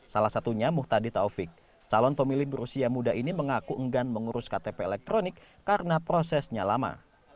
salah satunya muhtadi taufik calon pemilih berusia muda ini mengaku enggan mengurus ktp elektronik karena prosesnya lama